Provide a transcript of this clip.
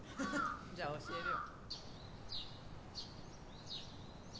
じゃあ教えるよ。